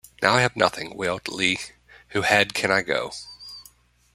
Now I have nothing, wailed Lee, who had can I go?